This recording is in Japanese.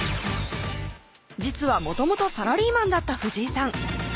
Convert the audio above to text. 実はもともとサラリーマンだった藤井さん